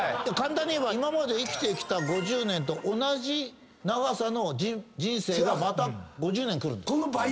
簡単に言えば今まで生きてきた５０年と同じ長さの人生がまた５０年くる。